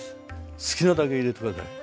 好きなだけ入れて下さい。